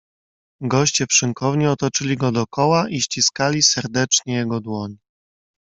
"Goście w szynkowni otoczyli go dokoła i ściskali serdecznie jego dłoń."